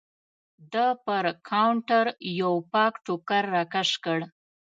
ده پر کاونټر یو پاک ټوکر راکش کړ.